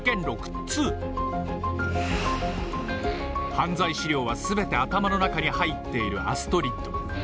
犯罪資料はすべて頭の中に入っているアストリッド。